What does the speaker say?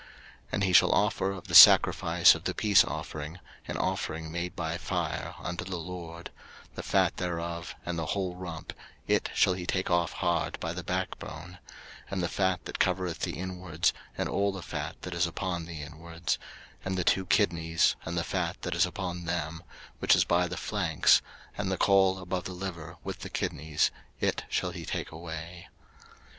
03:003:009 And he shall offer of the sacrifice of the peace offering an offering made by fire unto the LORD; the fat thereof, and the whole rump, it shall he take off hard by the backbone; and the fat that covereth the inwards, and all the fat that is upon the inwards, 03:003:010 And the two kidneys, and the fat that is upon them, which is by the flanks, and the caul above the liver, with the kidneys, it shall he take away.